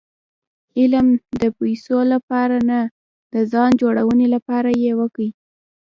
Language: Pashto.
علم د پېسو له پاره نه؛ د ځان جوړوني له پاره ئې وکئ!